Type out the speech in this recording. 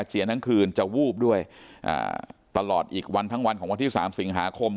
อาจเลี้ยงตั้งคืนจะวูบด้วยตลอดอีกวันทั้งวันของวันที่๓สิงหาคม